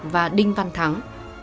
và đinh văn thắng